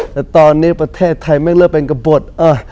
แต่ตอนนี้ประเทศไทยไม่เริ่มเป็นกระบด